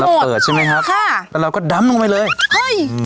เปิดใช่ไหมครับค่ะแล้วเราก็ดำลงไปเลยเฮ้ยอืม